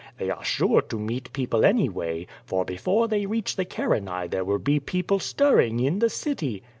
They are sure to meet people anywaj', for before they reach the Carinae there will be people stirring in the city.